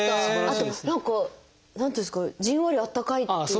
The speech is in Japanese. あと何か何ていうんですかじんわりあったかいっていうか。